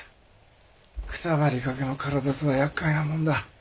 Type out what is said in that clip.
くたばりかけの体とはやっかいなもんだ。